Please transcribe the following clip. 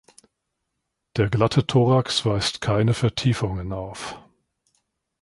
Der glatte Thorax weist keine Vertiefungen auf.